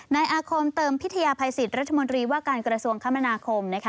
นายอาคมเติมพิทยาภัยสิทธิ์รัฐมนตรีว่าการกระทรวงคมนาคมนะคะ